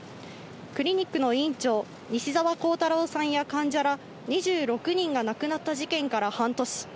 クリニックの院長、西澤弘太郎さんや患者ら、２６人が亡くなった事件から半年。